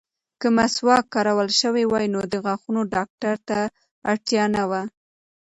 که مسواک کارول شوی وای، نو د غاښونو ډاکټر ته اړتیا نه وه.